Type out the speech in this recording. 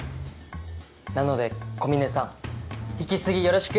なので小峰さん引き継ぎよろしく！